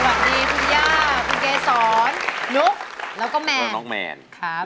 สวัสดีคุณภรรยาคุณเกศรนุ๊กแล้วก็แมน